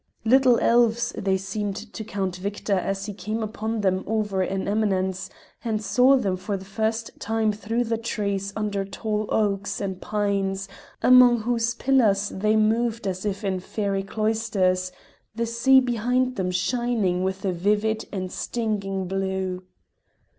Little elves they seemed to Count Victor as he came upon them over an eminence, and saw them for the first time through the trees under tall oaks and pines, among whose pillars they moved as if in fairy cloisters, the sea behind them shining with a vivid and stinging blue.